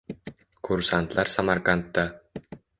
Kursantlar Samarqandda